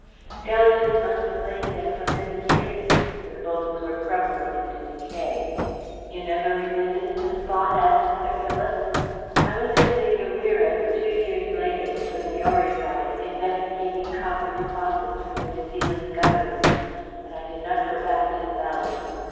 The skeletons must have lain there for many years, for the bones were crumbling into decay." "You have never revisited the spot?" asked Sir Philip. "I was in the Ureweras two years later with a Maori guide, investigating copper deposits for the New Zealand Government, but I did not go back to the valley."